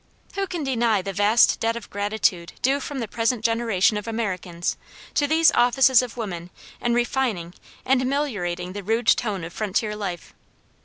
Who can deny the vast debt of gratitude due from the present generation of Americans to these offices of woman in refining and ameliorating the rude tone of frontier life?